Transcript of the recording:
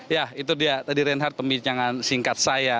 ya itu dia tadi reinhard pembicaraan singkat saya